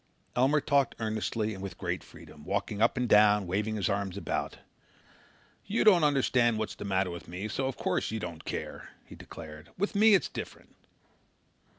Elmer talked earnestly and with great freedom, walking up and down and waving his arms about. "You don't understand what's the matter with me so of course you don't care," he declared. "With me it's different.